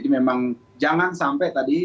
memang jangan sampai tadi